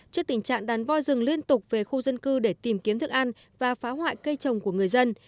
trước tình trạng đàn voi rừng liên tục về khu dân cư để tìm kiếm thức ăn và phá hoại cây trồng của người dân